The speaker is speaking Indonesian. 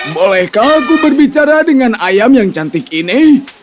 bolehkah aku berbicara dengan ayam yang cantik ini